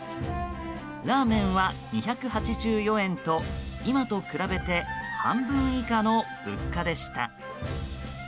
ラーメンは２８４円と今と比べて半分以下の物価でした。